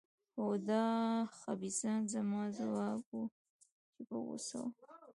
هو، دا خبیثان. زما ځواب و، چې په غوسه وو.